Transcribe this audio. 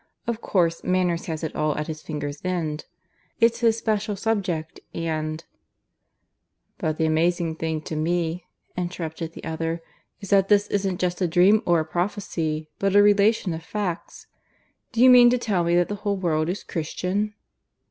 Of course Manners has it all at his fingers' ends. It's his special subject, and " "But the amazing thing to me," interrupted the other, "is that this isn't just a dream or a prophecy, but a relation of facts. ... Do you mean to tell me that the whole world is Christian?"